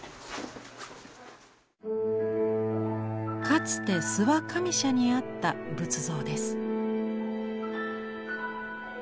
かつて諏訪上社にあった仏像です。